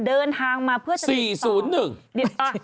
เดินทางมาเพื่อจะดินต่อ๔๐๑